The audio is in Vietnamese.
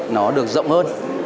nó được rộng hơn